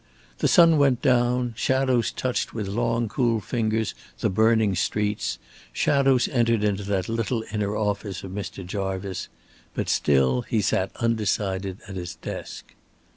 The sun went down, shadows touched with long cool fingers the burning streets; shadows entered into that little inner office of Mr. Jarvice. But still he sat undecided at his desk.